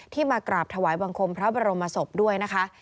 มากราบถวายบังคมพระบรมศพด้วยนะคะ